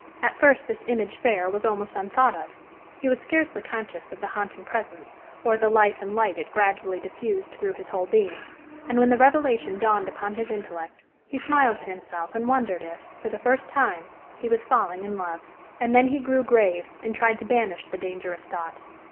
At first this "image fair" was almost unthought of; he was scarcely conscious of the haunting presence, or the life and light it gradually diffused through his whole being. And when the revelation dawned upon his intellect, he smiled to himself and wondered if, for the first time, he was falling in love; and then he grew grave, and tried to banish the dangerous thought.